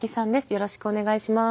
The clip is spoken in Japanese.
よろしくお願いします。